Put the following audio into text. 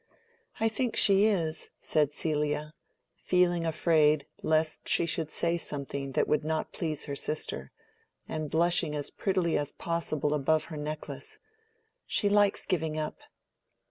"I think she is," said Celia, feeling afraid lest she should say something that would not please her sister, and blushing as prettily as possible above her necklace. "She likes giving up."